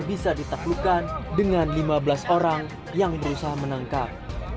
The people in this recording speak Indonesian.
bisa ditaklukkan dengan lima belas orang yang berusaha menangkap